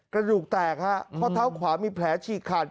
กระดูกแตกครับเพราะเท้าขวามีแผลชีขัด